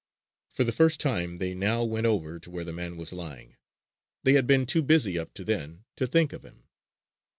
For the first time they now went over to where the man was lying. They had been too busy up to then to think of him.